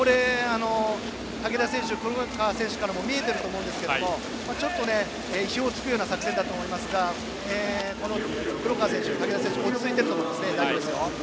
竹田選手、黒川選手からも見えていると思いますがちょっと意表を突くような作戦だと思いますが黒川選手、竹田選手は落ち着いていると思いますね。